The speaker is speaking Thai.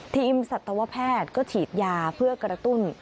สัตวแพทย์ก็ฉีดยาเพื่อกระตุ้น